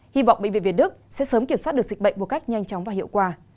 hy vọng bệnh viện việt đức sẽ sớm kiểm soát được dịch bệnh một cách nhanh chóng và hiệu quả